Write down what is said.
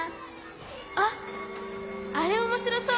あっあれおもしろそう！